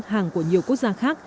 hàng của nhiều quốc gia khác